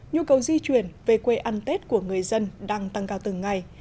nhu cầu di chuyển về quê ăn tết của người dân đang tăng cao từng ngày